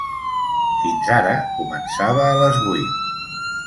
Fins ara començava a les vuit.